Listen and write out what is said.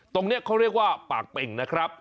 ตรงนี้เขาเรียกว่าปากเป่งนะครับ